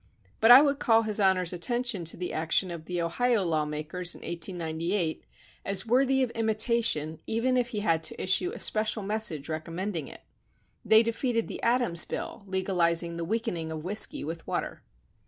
But I would call his Honor's at tention to the action of the Ohio law makers in 1898 as worthy of imitation even if he had to issue a special message recommending it. They defeated the Adams bill legalizing the weakening of whisky wjth water.